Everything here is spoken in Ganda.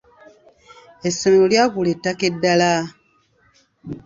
Essomero lyagula ettaka eddala.